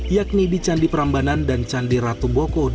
yakni di candi prambanan dan candi ratu boko